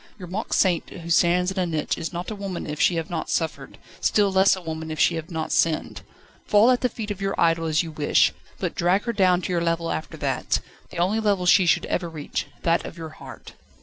Your mock saint who stands in a niche is not a woman if she have not suffered, still less a woman if she have not sinned. Fall at the feet of your idol an you wish, but drag her down to your level after that the only level she should ever reach, that of your heart."